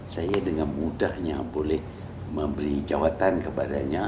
saya dengan mudahnya boleh memberi jawaban kepadanya